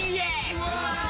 うわ！